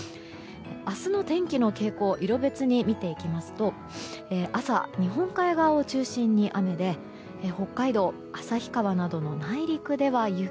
明日の天気の傾向色別に見ていきますと朝、日本海側を中心に雨で北海道旭川などの内陸では雪。